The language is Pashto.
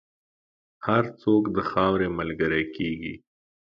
هر څوک د خاورې ملګری کېږي.